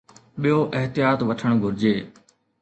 ٻيو احتياط وٺڻ گهرجي.